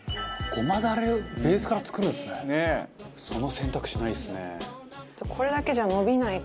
「その選択肢ないですね」